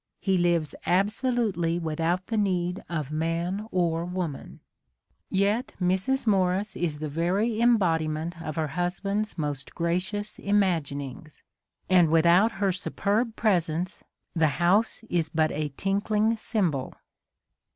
... He lives absolutely without the need of A DAY WITH WILLIAM MORRIS. man or woman," yet Mrs. Morris is the very embodiment of her husband's most gracious imaginings, — and without her superb presence the house is but a tinkling cymbal.